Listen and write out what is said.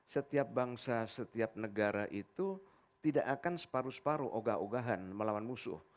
setiap bangsa setiap negara itu tidak akan separuh separuh ogah ogahan melawan musuh